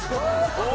お！